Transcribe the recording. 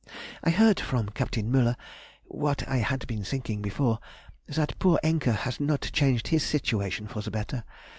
I heard from Capt. Müller (what I had been thinking before) that poor Encke has not changed his situation for the better.